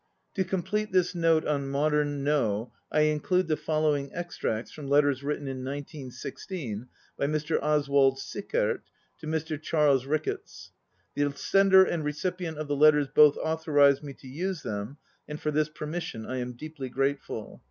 To complete this note on modern No I include the following extracts from letters written in 1916 by Mr. Oswald Sickert to Mr. Charles Ricketts. The sender and recipient of the letters both authorized me to use them, and for this permission I am deeply grateful.